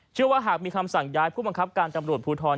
หากมีคำสั่งย้ายผู้บังคับการตำรวจภูทร